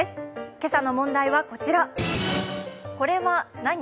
今朝の問題はこちら。